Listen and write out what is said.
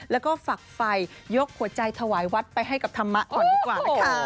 แล้วก็ฝักไฟยกหัวใจถวายวัดไปให้กับธรรมะก่อนดีกว่านะคะ